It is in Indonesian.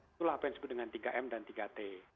itulah apa yang disebut dengan tiga m dan tiga t